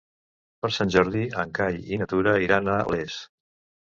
Per Sant Jordi en Cai i na Tura iran a Les.